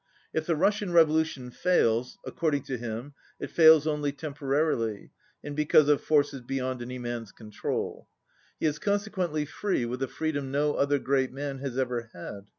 If the Russian revolution fails, according to him, it fails only temporarily, and because of forces beyond any man's control. He is conse quently free with a freedom no other great man has ever had.